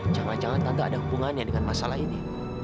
jangan jangan anda ada hubungannya dengan masalah ini